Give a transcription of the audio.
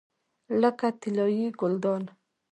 لکه طلایي ګلدان.